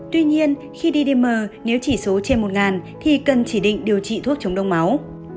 tuy nhiên khi ddm nếu chỉ số trên một nghìn thì cần chỉ định điều trị thuốc chống đông máu